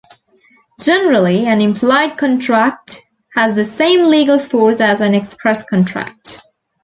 Generally, an implied contract has the same legal force as an express contract.